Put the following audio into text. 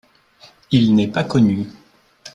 Il n’est pas connu.